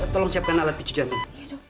tolong siapkan alat biji jantung